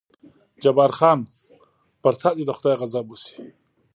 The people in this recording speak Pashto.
جبار خان: پر تا دې د خدای غضب وشي.